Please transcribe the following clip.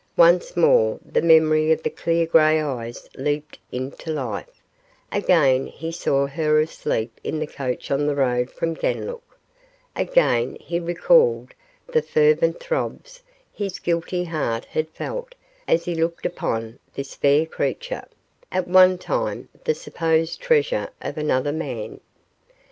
Once more the memory of the clear gray eyes leaped into life; again he saw her asleep in the coach on the road from Ganlook; again he recalled the fervent throbs his guilty heart had felt as he looked upon this fair creature, at one time the supposed treasure of another man.